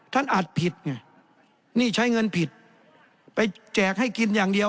อาจผิดไงนี่ใช้เงินผิดไปแจกให้กินอย่างเดียว